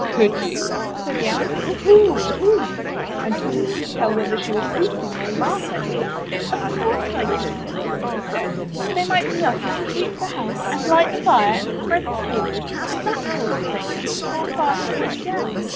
"Could you?" said the Owl. "Oohoo! oohoo!" and Tommy couldn't tell whether she were hooting or laughing. , 29 MY BOOK HOUSE *'0f course I could," he said. 'They might be up and sweep the house, and Hght the fire, and spread the table, and that sort of thing, before Father came down.